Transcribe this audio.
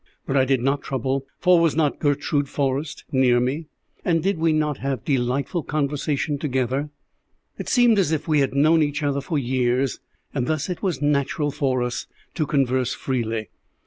But I did not trouble, for was not Gertrude Forrest near me, and did we not have delightful conversation together? It seemed as if we had known each other for years, and thus it was natural for us to converse freely.